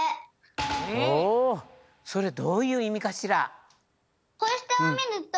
それどういういみかしら？